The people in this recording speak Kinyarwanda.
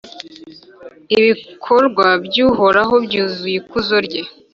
ibikorwa by’Uhoraho byuzuye ikuzo rye.